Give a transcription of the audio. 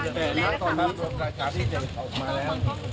เกาะกระจาวที่เจอเข้ามาแล้ว